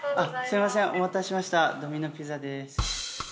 すいませんお待たせしましたドミノ・ピザです。